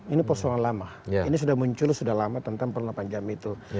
ini sudah muncul sudah lama tentang perlengkapan jam itu